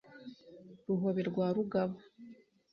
ruhobe rwa rugaba